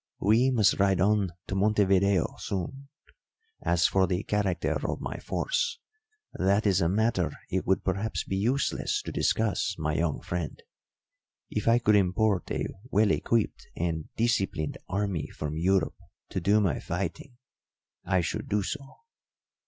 We must ride on to Montevideo soon. As for the character of my force, that is a matter it would perhaps be useless to discuss, my young friend. If I could import a well equipped and disciplined army from Europe to do my fighting, I should do so.